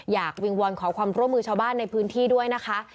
วิงวอนขอความร่วมมือชาวบ้านในพื้นที่ด้วยนะคะ